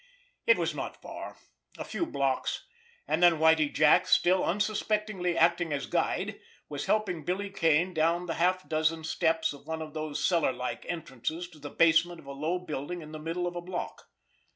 It was not far, a few blocks; and then Whitie Jack, still unsuspectingly acting as guide, was helping Billy Kane down the half dozen steps of one of those cellar like entrances to the basement of a low building in the middle of a block.